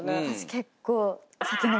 私結構。